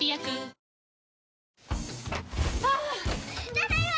ただいま！